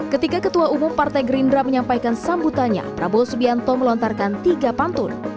ketika ketua umum partai gerindra menyampaikan sambutannya prabowo subianto melontarkan tiga pantun